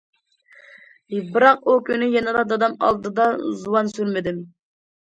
بىراق ئۇ كۈنى يەنىلا دادام ئالدىدا زۇۋان سۈرمىدىم.